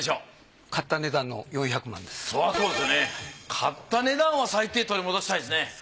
買った値段は最低取り戻したいですね。